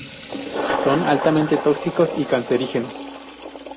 Son altamente tóxicos y cancerígenos.